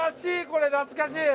これ懐かしい！